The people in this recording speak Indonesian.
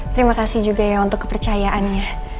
terima kasih juga ya untuk kepercayaannya